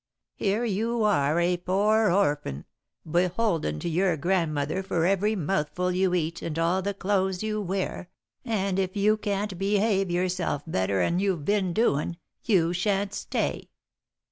Here you are a poor orphan, beholden to your grandmother for every mouthful you eat and all the clothes you wear, and if you can't behave yourself better 'n you've been doin', you shan't stay."